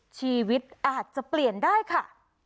ชีวิตอาจจะเปลี่ยนได้ค่ะ